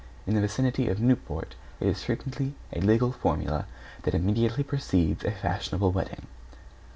In the vicinity of Newport it is frequently a legal formula that immediately precedes a fashionable wedding.